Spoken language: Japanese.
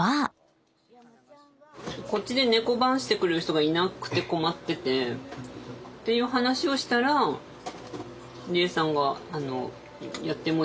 「こっちで猫番してくれる人がいなくて困ってて」っていう話をしたらりえさんが「やってもいいよ」って話になって。